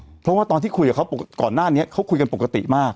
เพราะว่าตอนที่คุยกับเขาก่อนหน้านี้เขาคุยกันปกติมาก